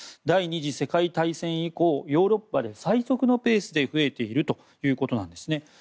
第２次世界大戦以降ヨーロッパで最速のペースで増えているということなんですね。